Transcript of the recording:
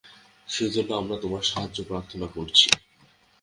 সেজন্য আমরা তোমার সাহায্য প্রার্থনা করছি।